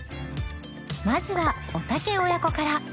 まずはおたけ親子から